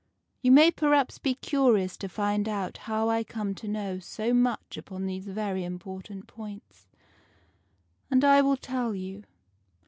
You may perhaps be curious to find out how I come to know so much upon these very important points, and I will tell you.